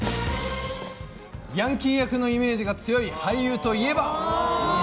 ヤンキー役のイメージが強い俳優といえば？